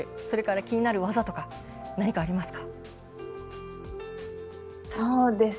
それから気になる技とか何かありますか？